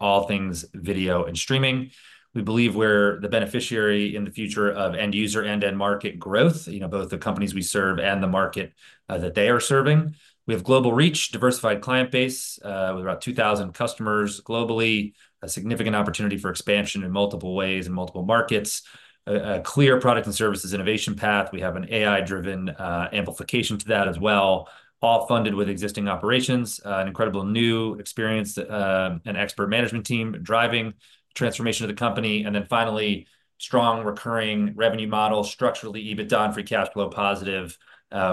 All things video and streaming. We believe we're the beneficiary in the future of end user and end market growth, you know, both the companies we serve and the market that they are serving. We have global reach, diversified client base, with about 2,000 customers globally, a significant opportunity for expansion in multiple ways and multiple markets, a clear product and services innovation path. We have an AI-driven amplification to that as well, all funded with existing operations. An incredible new experienced and expert management team driving transformation of the company. Finally, strong recurring revenue model, structurally EBITDA and free cash flow positive,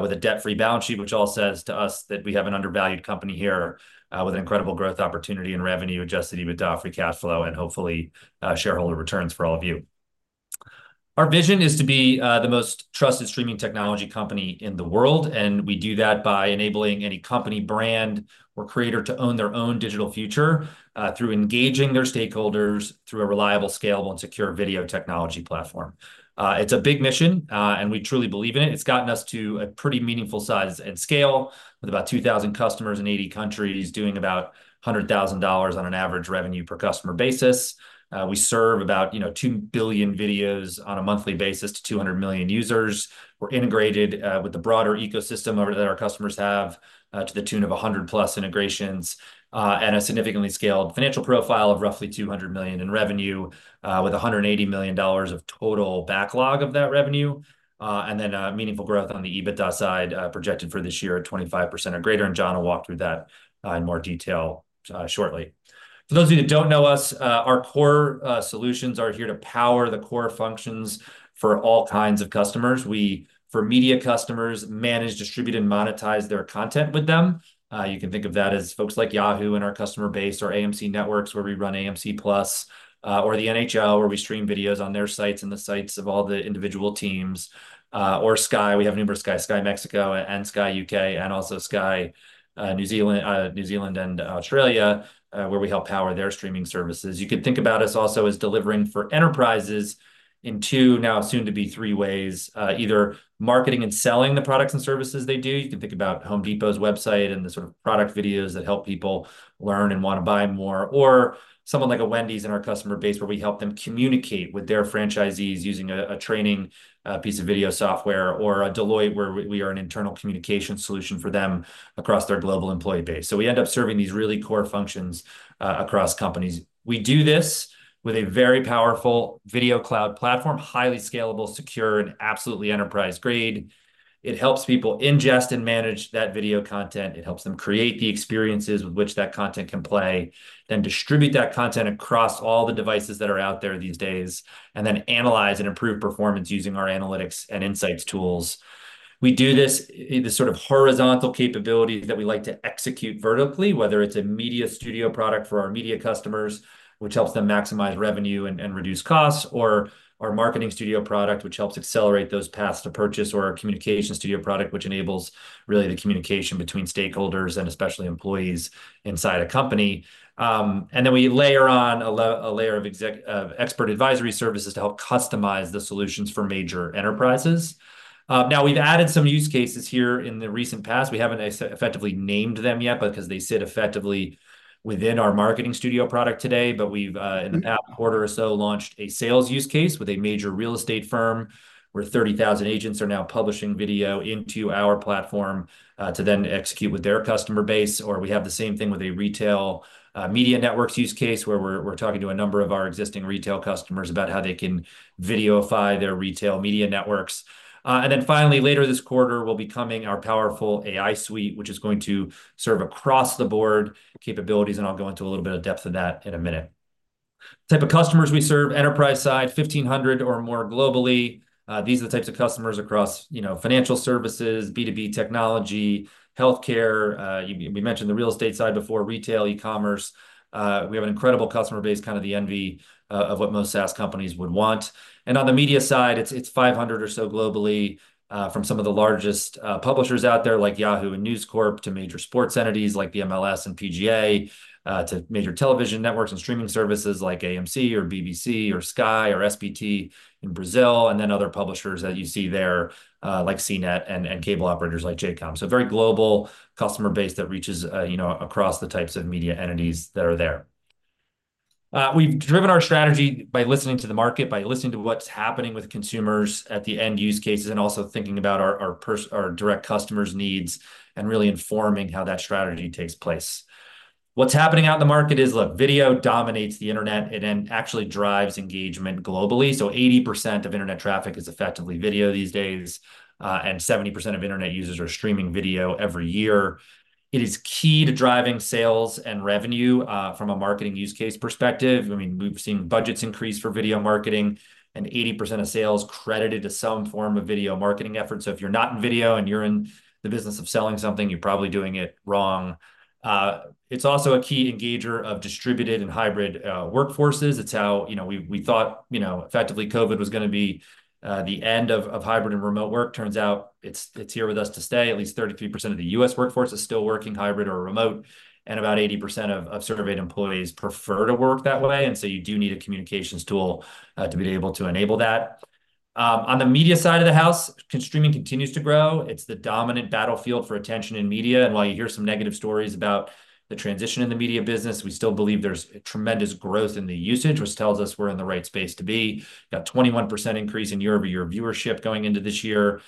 with a debt-free balance sheet, which all says to us that we have an undervalued company here, with incredible growth opportunity and revenue, adjusted EBITDA, free cash flow, and hopefully, shareholder returns for all of you. Our vision is to be the most trusted streaming technology company in the world, and we do that by enabling any company, brand, or creator to own their own digital future through engaging their stakeholders through a reliable, scalable, and secure video technology platform. It's a big mission, and we truly believe in it. It's gotten us to a pretty meaningful size and scale, with about 2,000 customers in 80 countries, doing about $100,000 on an average revenue per customer basis. We serve about, you know, 2 billion videos on a monthly basis to 200 million users. We're integrated with the broader ecosystem that our customers have to the tune of 100+ integrations, and a significantly scaled financial profile of roughly $200 million in revenue, with $180 million of total backlog of that revenue. And then, meaningful growth on the EBITDA side projected for this year at 25% or greater, and John will walk through that in more detail shortly. For those of you that don't know us, our core solutions are here to power the core functions for all kinds of customers. We, for media customers, manage, distribute, and monetize their content with them. You can think of that as folks like Yahoo! in our customer base, or AMC Networks, where we run AMC Plus, or the NHL, where we stream videos on their sites and the sites of all the individual teams. Or Sky, we have a number of Sky, Sky Mexico and Sky UK, and also Sky New Zealand, and Australia, where we help power their streaming services. You can think about us also as delivering for enterprises in two, now soon to be three, ways. Either marketing and selling the products and services they do. You can think about Home Depot's website and the sort of product videos that help people learn and want to buy more, or someone like a Wendy's in our customer base, where we help them communicate with their franchisees using a training piece of video software, or a Deloitte, where we are an internal communication solution for them across their global employee base. So we end up serving these really core functions across companies. We do this with a very powerful Video Cloud platform, highly scalable, secure, and absolutely enterprise-grade. It helps people ingest and manage that video content, it helps them create the experiences with which that content can play, then distribute that content across all the devices that are out there these days, and then analyze and improve performance using our analytics and insights tools. We do this, this sort of horizontal capability that we like to execute vertically, whether it's a Media Studio product for our media customers, which helps them maximize revenue and reduce costs, or our Marketing Studio product, which helps accelerate those paths to purchase, or our Communications Studio product, which enables really the communication between stakeholders and especially employees inside a company. Then we layer on a layer of expert advisory services to help customize the solutions for major enterprises. Now, we've added some use cases here in the recent past. We haven't effectively named them yet, but because they sit effectively within our Marketing Studio product today. But we've in the past quarter or so launched a sales use case with a major real estate firm, where 30,000 agents are now publishing video into our platform to then execute with their customer base. Or we have the same thing with a retail media networks use case, where we're talking to a number of our existing retail customers about how they can videoify their retail media networks. And then finally, later this quarter, will be coming our powerful AI suite, which is going to serve across-the-board capabilities, and I'll go into a little bit of depth of that in a minute. Type of customers we serve, enterprise side, 1,500 or more globally. These are the types of customers across, you know, financial services, B2B technology, healthcare, we mentioned the real estate side before, retail, e-commerce. We have an incredible customer base, kind of the envy of what most SaaS companies would want. And on the media side, it's 500 or so globally, from some of the largest publishers out there, like Yahoo! and News Corp, to major sports entities like the MLS and PGA, to major television networks and streaming services like AMC or BBC or Sky or SBT in Brazil, and then other publishers that you see there, like CNET and cable operators like J:COM. So a very global customer base that reaches, you know, across the types of media entities that are there. We've driven our strategy by listening to the market, by listening to what's happening with consumers at the end use cases, and also thinking about our direct customers' needs, and really informing how that strategy takes place. What's happening out in the market is, look, video dominates the internet and it actually drives engagement globally. So 80% of internet traffic is effectively video these days, and 70% of internet users are streaming video every year. It is key to driving sales and revenue, from a marketing use case perspective. I mean, we've seen budgets increase for video marketing, and 80% of sales credited to some form of video marketing effort. So if you're not in video and you're in the business of selling something, you're probably doing it wrong. It's also a key engager of distributed and hybrid workforces. It's how, you know, we thought, you know, effectively COVID was gonna be the end of hybrid and remote work. Turns out it's here with us to stay. At least 33% of the U.S. workforce is still working hybrid or remote, and about 80% of surveyed employees prefer to work that way, and so you do need a communications tool to be able to enable that... On the media side of the house, content streaming continues to grow. It's the dominant battlefield for attention in media, and while you hear some negative stories about the transition in the media business, we still believe there's tremendous growth in the usage, which tells us we're in the right space to be. Got a 21% increase in year-over-year viewership going into this year.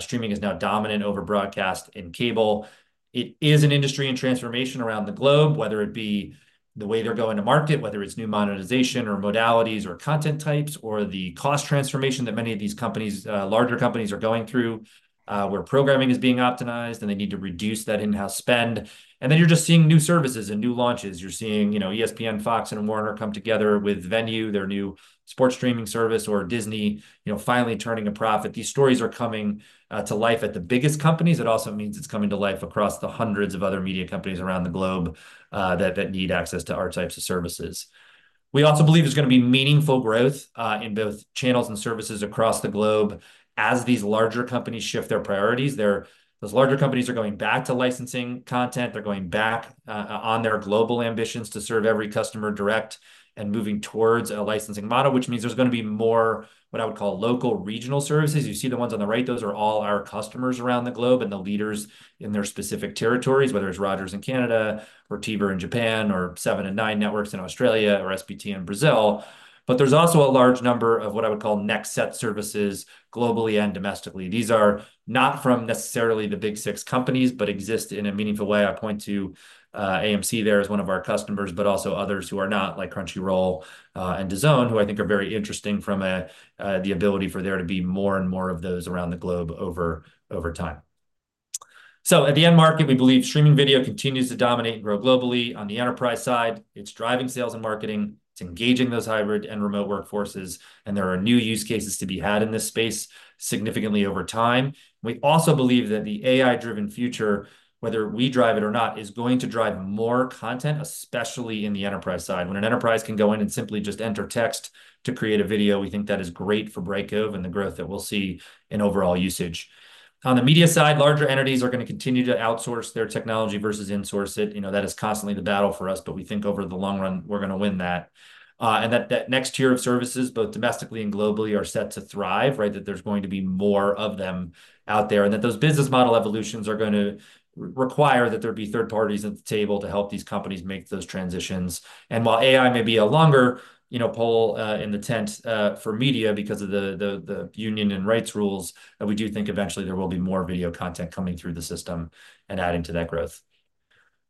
Streaming is now dominant over broadcast and cable. It is an industry in transformation around the globe, whether it be the way they're going to market, whether it's new monetization or modalities or content types, or the cost transformation that many of these companies, larger companies are going through, where programming is being optimized, and they need to reduce that in-house spend. And then you're just seeing new services and new launches. You're seeing, you know, ESPN, Fox, and Warner come together with Venu, their new sports streaming service, or Disney, you know, finally turning a profit. These stories are coming to life at the biggest companies. It also means it's coming to life across the hundreds of other media companies around the globe, that need access to our types of services. We also believe there's gonna be meaningful growth in both channels and services across the globe as these larger companies shift their priorities. Those larger companies are going back to licensing content. They're going back on their global ambitions to serve every customer direct and moving towards a licensing model, which means there's gonna be more, what I would call, local regional services. You see the ones on the right, those are all our customers around the globe and the leaders in their specific territories, whether it's Rogers in Canada or TV in Japan, or Seven and Nine Networks in Australia or SBT in Brazil. But there's also a large number of what I would call next set services globally and domestically. These are not from necessarily the big six companies, but exist in a meaningful way. I point to AMC there as one of our customers, but also others who are not, like Crunchyroll and DAZN, who I think are very interesting from the ability for there to be more and more of those around the globe over time. So at the end market, we believe streaming video continues to dominate and grow globally. On the enterprise side, it's driving sales and marketing, it's engaging those hybrid and remote workforces, and there are new use cases to be had in this space significantly over time. We also believe that the AI-driven future, whether we drive it or not, is going to drive more content, especially in the enterprise side. When an enterprise can go in and simply just enter text to create a video, we think that is great for Brightcove and the growth that we'll see in overall usage. On the media side, larger entities are gonna continue to outsource their technology versus insource it. You know, that is constantly the battle for us, but we think over the long run, we're gonna win that. And that next tier of services, both domestically and globally, are set to thrive, right? That there's going to be more of them out there, and that those business model evolutions are gonna require that there be third parties at the table to help these companies make those transitions. And while AI may be a longer, you know, pole in the tent for media because of the union and rights rules, we do think eventually there will be more video content coming through the system and adding to that growth.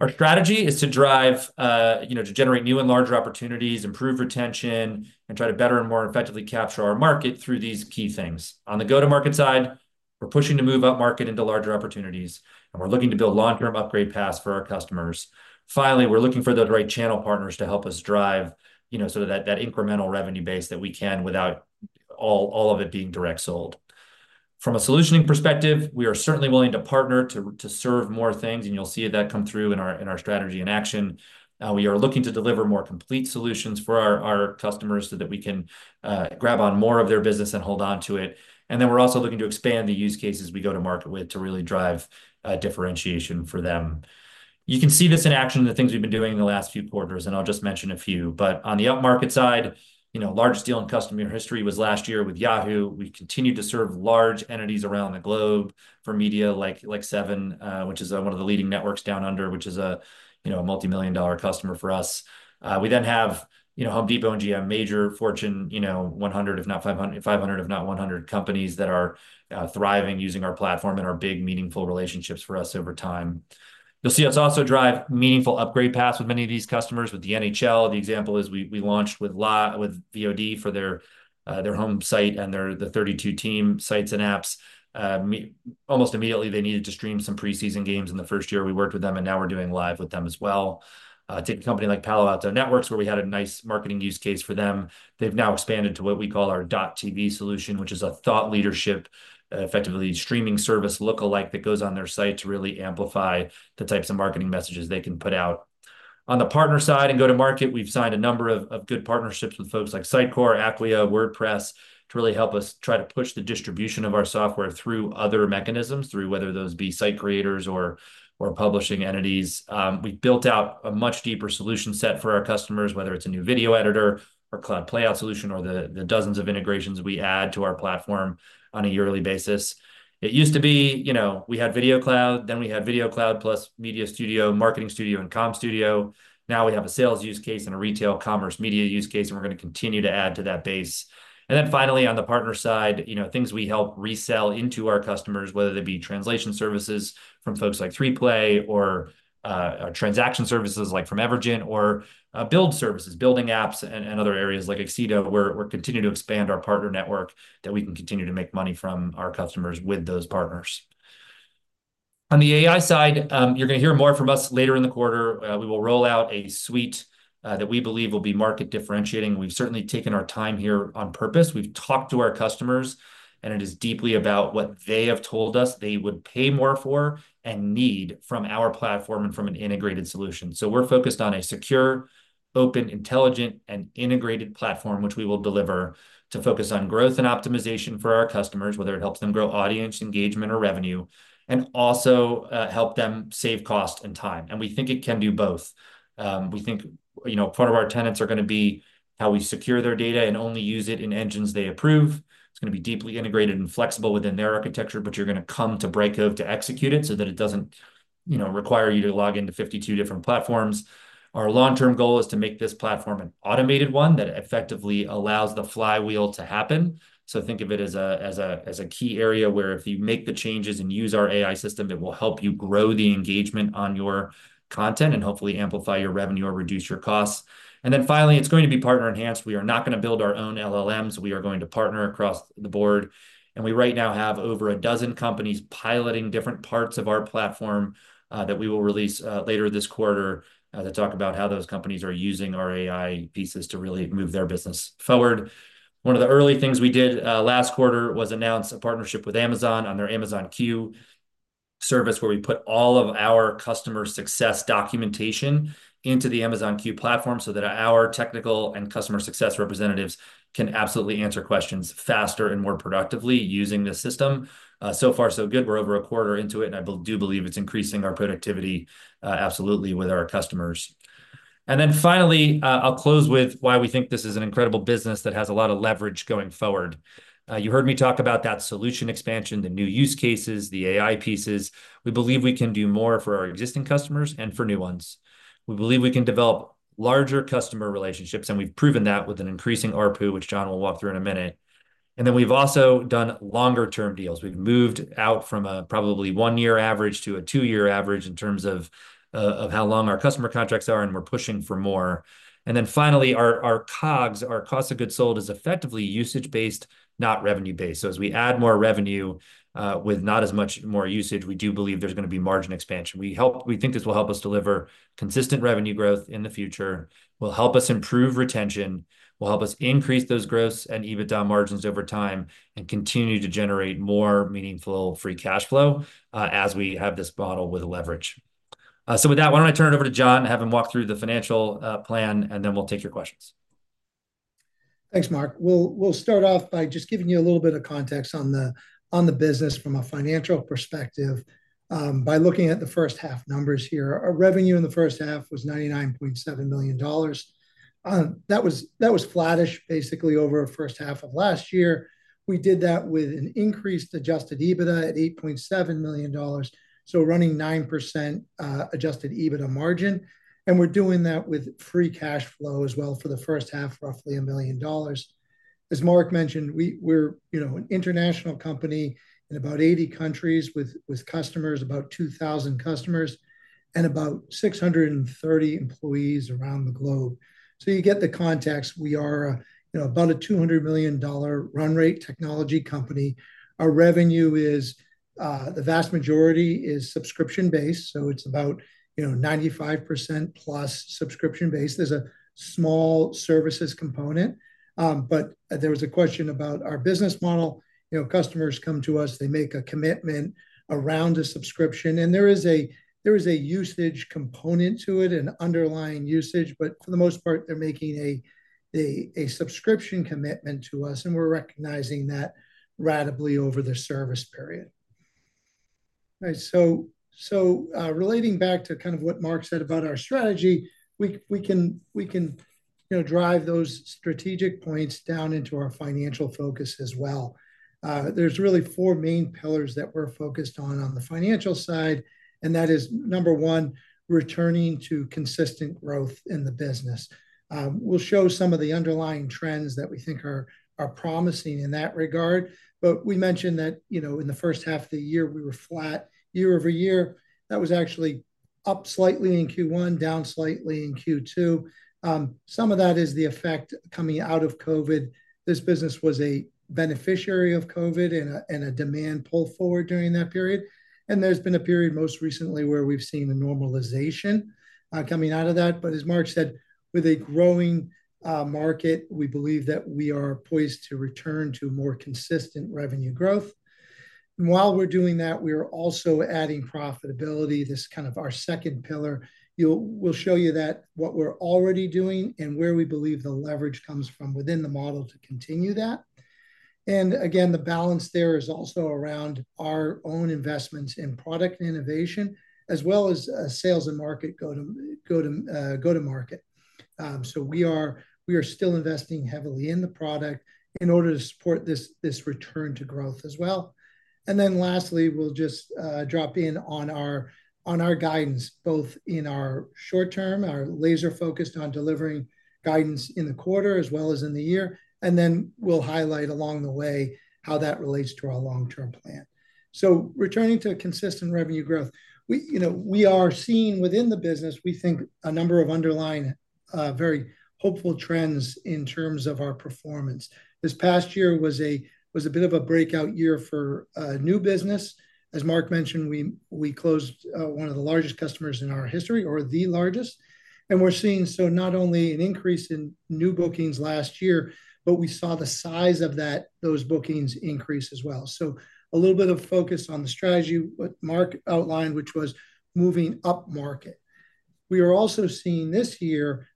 Our strategy is to drive, you know, to generate new and larger opportunities, improve retention, and try to better and more effectively capture our market through these key things. On the go-to-market side, we're pushing to move upmarket into larger opportunities, and we're looking to build long-term upgrade paths for our customers. Finally, we're looking for the right channel partners to help us drive, you know, so that incremental revenue base that we can, without all of it being direct sold. From a solutioning perspective, we are certainly willing to partner to serve more things, and you'll see that come through in our strategy and action. We are looking to deliver more complete solutions for our customers so that we can grab on more of their business and hold on to it. We're also looking to expand the use cases we go to market with to really drive differentiation for them. You can see this in action, the things we've been doing in the last few quarters, and I'll just mention a few. On the upmarket side, you know, largest deal in company history was last year with Yahoo! We continued to serve large entities around the globe for media, like Seven, which is one of the leading networks Down Under, which is a multimillion-dollar customer for us. We then have, you know, Home Depot and GM, major Fortune 500, if not 100 companies that are thriving using our platform and are big, meaningful relationships for us over time. You'll see us also drive meaningful upgrade paths with many of these customers. With the NHL, the example is we launched with VOD for their their home site and their the 32 team sites and apps. Almost immediately, they needed to stream some preseason games in the first year we worked with them, and now we're doing live with them as well. Take a company like Palo Alto Networks, where we had a nice marketing use case for them. They've now expanded to what we call our .TV solution, which is a thought leadership, effectively streaming service lookalike that goes on their site to really amplify the types of marketing messages they can put out. On the partner side and go-to-market, we've signed a number of good partnerships with folks like Sitecore, Acquia, WordPress, to really help us try to push the distribution of our software through other mechanisms, through whether those be site creators or publishing entities. We've built out a much deeper solution set for our customers, whether it's a new video editor or cloud playout solution, or the dozens of integrations we add to our platform on a yearly basis. It used to be, you know, we had Video Cloud, then we had Video Cloud plus Media Studio, Marketing Studio, and Comm Studio. Now we have a sales use case and a retail commerce media use case, and we're gonna continue to add to that base. And then finally, on the partner side, you know, things we help resell into our customers, whether they be translation services from folks like 3Play or, transaction services like from Evergent, or, build services, building apps and other areas like Accedo, we're continuing to expand our partner network, that we can continue to make money from our customers with those partners. On the AI side, you're gonna hear more from us later in the quarter. We will roll out a suite, that we believe will be market differentiating. We've certainly taken our time here on purpose. We've talked to our customers, and it is deeply about what they have told us they would pay more for and need from our platform and from an integrated solution. We're focused on a secure, open, intelligent, and integrated platform, which we will deliver to focus on growth and optimization for our customers, whether it helps them grow audience engagement or revenue, and also help them save cost and time, and we think it can do both. We think, you know, part of our tenets are gonna be how we secure their data and only use it in engines they approve. It's gonna be deeply integrated and flexible within their architecture, but you're gonna come to Brightcove to execute it so that it doesn't, you know, require you to log into 52 different platforms. Our long-term goal is to make this platform an automated one that effectively allows the flywheel to happen. So think of it as a key area where if you make the changes and use our AI system, it will help you grow the engagement on your content and hopefully amplify your revenue or reduce your costs. And then finally, it's going to be partner enhanced. We are not gonna build our own LLMs. We are going to partner across the board, and we right now have over a dozen companies piloting different parts of our platform that we will release later this quarter to talk about how those companies are using our AI pieces to really move their business forward. One of the early things we did last quarter was announce a partnership with Amazon on their Amazon Q service, where we put all of our customer success documentation into the Amazon Q platform, so that our technical and customer success representatives can absolutely answer questions faster and more productively using the system. So far, so good. We're over a quarter into it, and I do believe it's increasing our productivity absolutely with our customers. And then finally, I'll close with why we think this is an incredible business that has a lot of leverage going forward. You heard me talk about that solution expansion, the new use cases, the AI pieces. We believe we can do more for our existing customers and for new ones. We believe we can develop larger customer relationships, and we've proven that with an increasing ARPU, which John will walk through in a minute. And then we've also done longer term deals. We've moved out from a probably 1-year average to a 2-year average in terms of, of how long our customer contracts are, and we're pushing for more. And then finally, our COGS, our cost of goods sold, is effectively usage-based, not revenue-based. So as we add more revenue, with not as much more usage, we do believe there's gonna be margin expansion. We think this will help us deliver consistent revenue growth in the future, will help us improve retention, will help us increase those gross and EBITDA margins over time, and continue to generate more meaningful free cash flow, as we have this model with leverage. So, with that, why don't I turn it over to John and have him walk through the financial plan, and then we'll take your questions. Thanks, Marc. We'll, we'll start off by just giving you a little bit of context on the, on the business from a financial perspective, by looking at the first half numbers here. Our revenue in the first half was $99.7 million. That was flattish, basically, over our first half of last year. We did that with an increased adjusted EBITDA at $8.7 million, so running 9%, adjusted EBITDA margin, and we're doing that with free cash flow as well for the first half, roughly $1 million. As Marc mentioned, we're, you know, an international company in about 80 countries with customers, about 2,000 customers, and about 630 employees around the globe. So you get the context. We are, you know, about a $200 million run rate technology company. Our revenue is, the vast majority is subscription-based, so it's about, you know, 95% plus subscription-based. There's a small services component. But there was a question about our business model. You know, customers come to us, they make a commitment around a subscription, and there is a usage component to it and underlying usage, but for the most part, they're making a subscription commitment to us, and we're recognizing that ratably over the service period. Right, so relating back to kind of what Mark said about our strategy, we can, you know, drive those strategic points down into our financial focus as well. There's really four main pillars that we're focused on, on the financial side, and that is, number one, returning to consistent growth in the business. We'll show some of the underlying trends that we think are promising in that regard, but we mentioned that, you know, in the first half of the year, we were flat year-over-year. That was actually up slightly in Q1, down slightly in Q2. Some of that is the effect coming out of COVID. This business was a beneficiary of COVID and a demand pull forward during that period, and there's been a period most recently where we've seen a normalization coming out of that. But as Mark said, with a growing market, we believe that we are poised to return to more consistent revenue growth. And while we're doing that, we are also adding profitability, this kind of our second pillar. We'll show you what we're already doing and where we believe the leverage comes from within the model to continue that. And again, the balance there is also around our own investments in product innovation, as well as sales and marketing go-to-market. So we are still investing heavily in the product in order to support this return to growth as well. And then lastly, we'll just drop in on our guidance, both in our short-term, laser-focused on delivering guidance in the quarter, as well as in the year, and then we'll highlight along the way how that relates to our long-term plan. So returning to consistent revenue growth - we, you know, we are seeing within the business, we think a number of underlying very hopeful trends in terms of our performance. This past year was a bit of a breakout year for new business. As Mark mentioned, we closed one of the largest customers in our history, or the largest, and we're seeing, so not only an increase in new bookings last year, but we saw the size of those bookings increase as well. So a little bit of focus on the strategy, what Mark outlined, which was moving upmarket. We are also seeing this year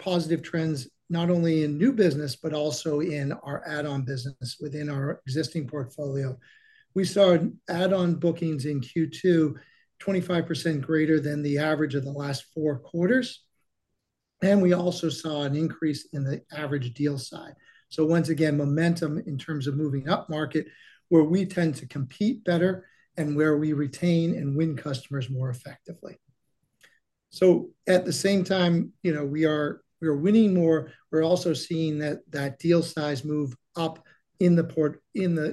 positive trends, not only in new business, but also in our add-on business within our existing portfolio. We saw add-on bookings in Q2, 25% greater than the average of the last four quarters, and we also saw an increase in the average deal size. So once again, momentum in terms of moving upmarket, where we tend to compete better and where we retain and win customers more effectively. So at the same time, you know, we are winning more, we're also seeing that deal size move up in the portfolio,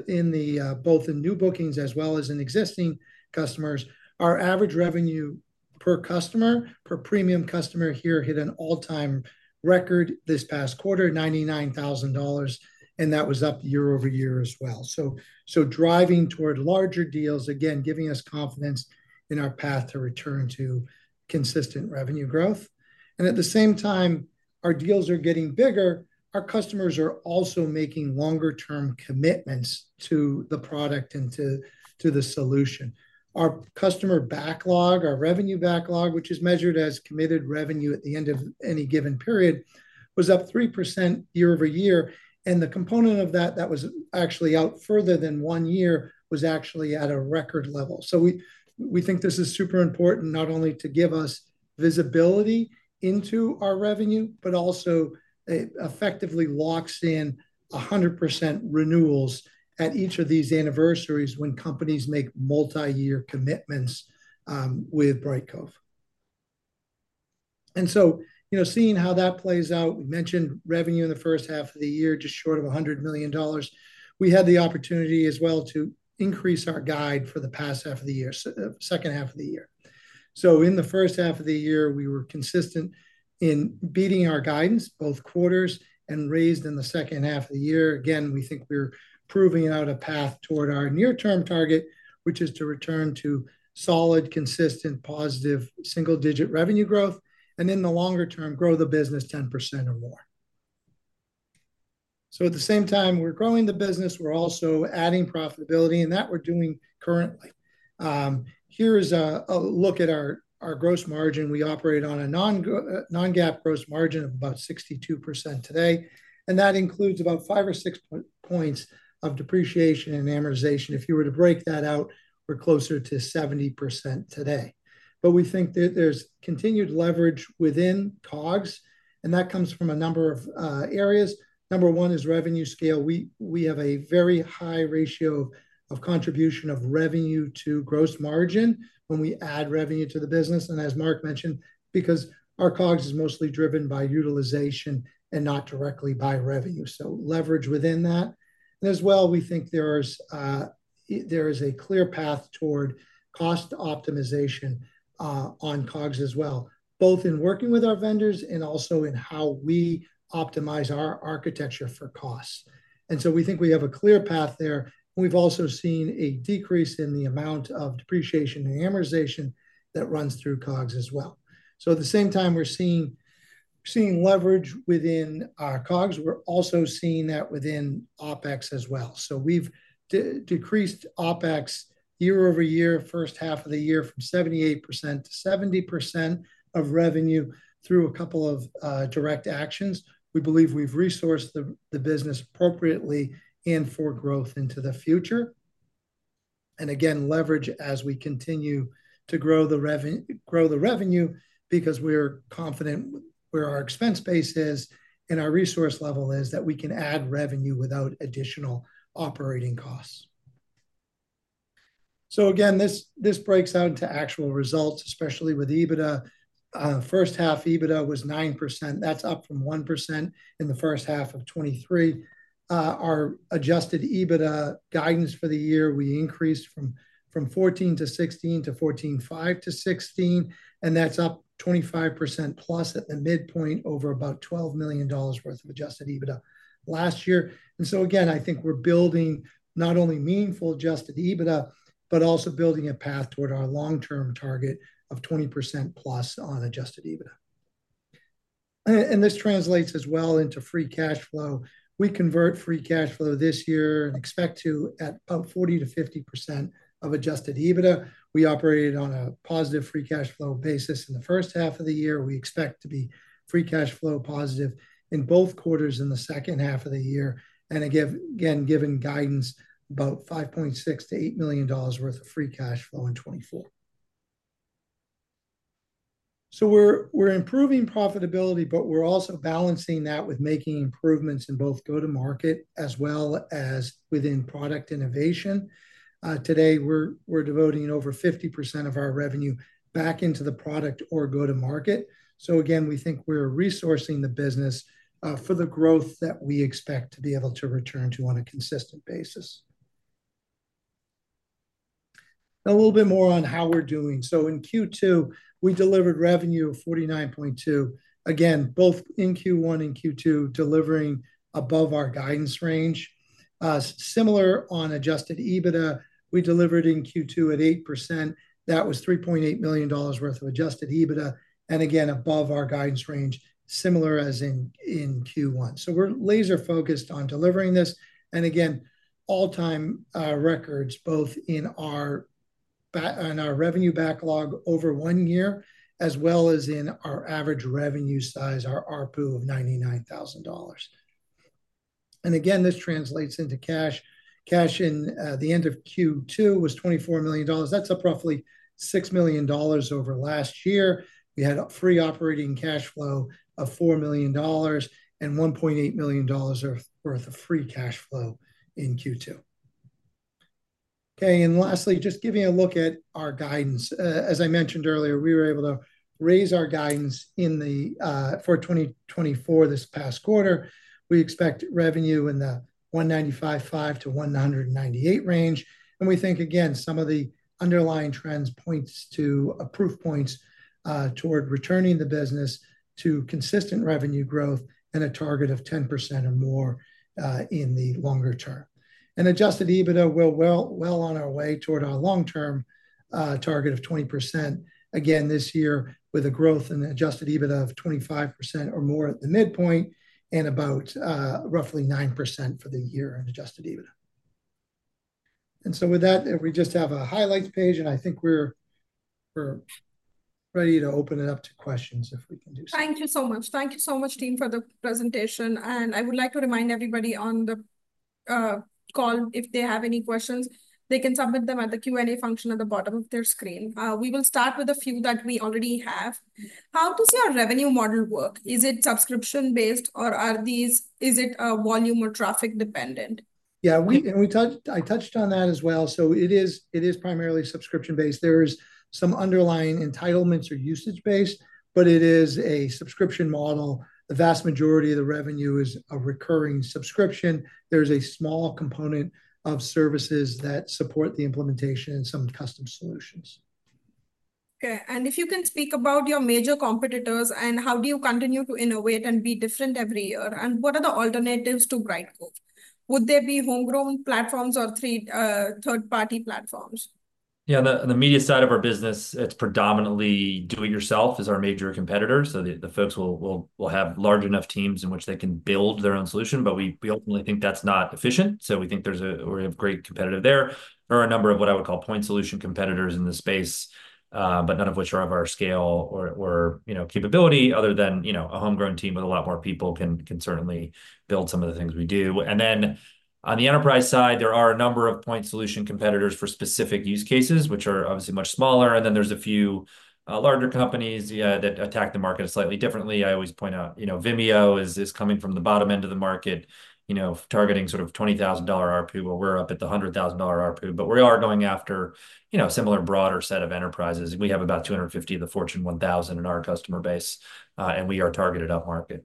in the both in new bookings as well as in existing customers. Our average revenue per customer, per premium customer here, hit an all-time record this past quarter, $99,000, and that was up year over year as well. So driving toward larger deals, again, giving us confidence in our path to return to consistent revenue growth. And at the same time our deals are getting bigger, our customers are also making longer-term commitments to the product and to the solution. Our customer backlog, our revenue backlog, which is measured as committed revenue at the end of any given period, was up 3% year-over-year, and the component of that that was actually out further than 1 year was actually at a record level. So we, we think this is super important, not only to give us visibility into our revenue, but also it effectively locks in 100% renewals at each of these anniversaries when companies make multi-year commitments, with Brightcove. And so, you know, seeing how that plays out, we mentioned revenue in the first half of the year, just short of $100 million. We had the opportunity as well to increase our guide for the past half of the year, so, second half of the year. So in the first half of the year, we were consistent in beating our guidance, both quarters, and raised in the second half of the year. Again, we think we're proving out a path toward our near-term target, which is to return to solid, consistent, positive, single-digit revenue growth, and in the longer term, grow the business 10% or more. So at the same time we're growing the business, we're also adding profitability, and that we're doing currently. Here is a look at our gross margin. We operate on a non-GAAP gross margin of about 62% today, and that includes about 5 or 6 points of depreciation and amortization. If you were to break that out, we're closer to 70% today. But we think there's continued leverage within COGS, and that comes from a number of areas. Number 1 is revenue scale. We, we have a very high ratio of contribution of revenue to gross margin when we add revenue to the business, and as Marc mentioned, because our COGS is mostly driven by utilization and not directly by revenue, so leverage within that. As well, we think there is a clear path toward cost optimization on COGS as well, both in working with our vendors and also in how we optimize our architecture for costs. So we think we have a clear path there. We've also seen a decrease in the amount of depreciation and amortization that runs through COGS as well. So at the same time we're seeing, seeing leverage within our COGS, we're also seeing that within OpEx as well. So we've decreased OpEx year over year, first half of the year, from 78% to 70% of revenue through a couple of direct actions. We believe we've resourced the business appropriately and for growth into the future. And again, leverage as we continue to grow the revenue, because we're confident with where our expense base is and our resource level is, that we can add revenue without additional operating costs. So again, this breaks out into actual results, especially with EBITDA. First half EBITDA was 9%. That's up from 1% in the first half of 2023. Our adjusted EBITDA guidance for the year, we increased from 14-16 to 14.5-16, and that's up 25%+ at the midpoint over about $12 million worth of adjusted EBITDA last year. So again, I think we're building not only meaningful adjusted EBITDA, but also building a path toward our long-term target of 20%+ on adjusted EBITDA. And this translates as well into free cash flow. We convert free cash flow this year and expect to at about 40%-50% of adjusted EBITDA. We operated on a positive free cash flow basis in the first half of the year. We expect to be free cash flow positive in both quarters in the second half of the year, and again, giving guidance about $5.6 million-$8 million worth of free cash flow in 2024. So we're improving profitability, but we're also balancing that with making improvements in both go-to-market as well as within product innovation. Today, we're devoting over 50% of our revenue back into the product or go-to-market. So again, we think we're resourcing the business for the growth that we expect to be able to return to on a consistent basis. A little bit more on how we're doing. So in Q2, we delivered revenue of $49.2 million. Again, both in Q1 and Q2, delivering above our guidance range. Similar on adjusted EBITDA, we delivered in Q2 at 8%. That was $3.8 million worth of adjusted EBITDA, and again, above our guidance range, similar as in Q1. So we're laser focused on delivering this, and again, all-time records, both in our revenue backlog over one year, as well as in our average revenue size, our ARPU of $99,000. And again, this translates into cash. Cash at the end of Q2 was $24 million. That's up roughly $6 million over last year. We had a free operating cash flow of $4 million, and $1.8 million worth, worth of free cash flow in Q2. Okay, and lastly, just giving a look at our guidance. As I mentioned earlier, we were able to raise our guidance in the for 2024 this past quarter. We expect revenue in the $195.5 million-$198 million range, and we think, again, some of the underlying trends points to- a proof points toward returning the business to consistent revenue growth and a target of 10% or more in the longer term. And adjusted EBITDA, we're well, well on our way toward our long-term target of 20%. Again, this year with a growth in adjusted EBITDA of 25% or more at the midpoint, and about roughly 9% for the year in adjusted EBITDA. And so with that, we just have a highlights page, and I think we're ready to open it up to questions, if we can do so. Thank you so much. Thank you so much, team, for the presentation, and I would like to remind everybody on the call, if they have any questions, they can submit them at the Q&A function at the bottom of their screen. We will start with a few that we already have. How does your revenue model work? Is it subscription-based, or is it volume or traffic dependent? Yeah, and I touched on that as well. So it is primarily subscription-based. There's some underlying entitlements or usage-based, but it is a subscription model. The vast majority of the revenue is a recurring subscription. There's a small component of services that support the implementation and some custom solutions. Okay, and if you can speak about your major competitors, and how do you continue to innovate and be different every year? And what are the alternatives to Brightcove? Would they be homegrown platforms or three, third-party platforms? Yeah, the media side of our business, it's predominantly do-it-yourself is our major competitor. So the folks will have large enough teams in which they can build their own solution, but we ultimately think that's not efficient, so we think there's a-- we have great competitive there. There are a number of what I would call point solution competitors in the space, but none of which are of our scale or, you know, capability, other than, you know, a homegrown team with a lot more people can certainly build some of the things we do. And then on the enterprise side, there are a number of point solution competitors for specific use cases, which are obviously much smaller, and then there's a few, larger companies, yeah, that attack the market slightly differently. I always point out, you know, Vimeo is coming from the bottom end of the market, you know, targeting sort of $20,000 ARPU, while we're up at the $100,000 ARPU. But we are going after, you know, similar broader set of enterprises. We have about 250 of the Fortune 1,000 in our customer base, and we are targeted upmarket.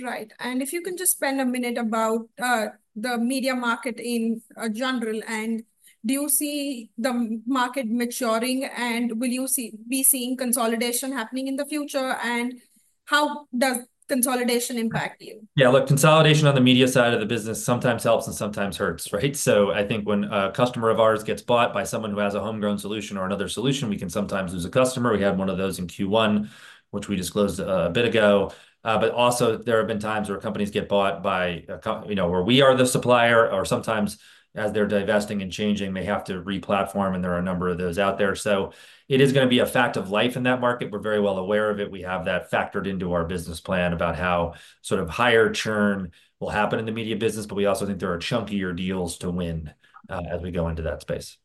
Right. And if you can just spend a minute about the media market in general, and do you see the market maturing, and will you be seeing consolidation happening in the future? And how does consolidation impact you? Yeah, look, consolidation on the media side of the business sometimes helps and sometimes hurts, right? So I think when a customer of ours gets bought by someone who has a homegrown solution or another solution, we can sometimes lose a customer. We had one of those in Q1, which we disclosed a bit ago. But also, there have been times where companies get bought by a you know, where we are the supplier, or sometimes as they're divesting and changing, they have to re-platform, and there are a number of those out there. So it is gonna be a fact of life in that market. We're very well aware of it. We have that factored into our business plan about how sort of higher churn will happen in the media business, but we also think there are chunkier deals to win as we go into that space.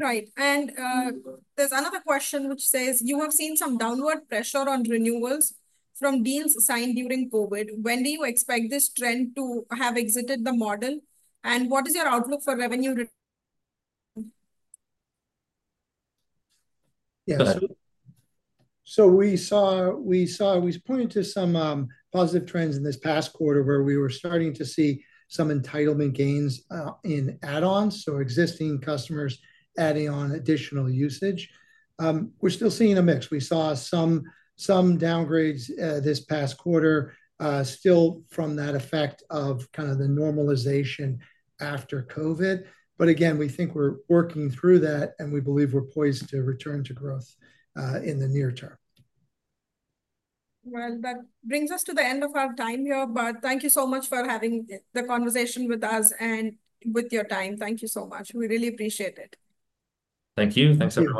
Right. And, there's another question which says: You have seen some downward pressure on renewals from deals signed during COVID. When do you expect this trend to have exited the model, and what is your outlook for revenue Yeah. Go ahead. So we was pointing to some positive trends in this past quarter, where we were starting to see some entitlement gains in add-ons, so existing customers adding on additional usage. We're still seeing a mix. We saw some downgrades this past quarter, still from that effect of kind of the normalization after COVID. But again, we think we're working through that, and we believe we're poised to return to growth in the near term. Well, that brings us to the end of our time here, but thank you so much for having the conversation with us and with your time. Thank you so much. We really appreciate it. Thank you. Thanks, everyone.